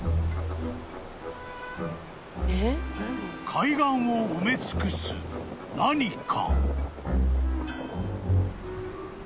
［海岸を埋め尽くす何か］